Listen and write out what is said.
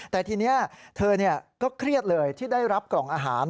แต่ทีนี้เธอก็เครียดเลยที่ได้รับกล่องอาหาร